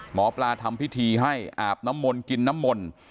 หมอปลาทำพิธีให้อาบน้ำมนต์กินน้ำมนต์